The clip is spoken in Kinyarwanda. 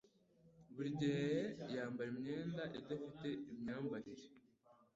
Buri gihe yambara imyenda idafite imyambarire.